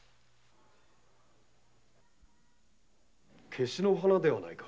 ケシの花ではないか？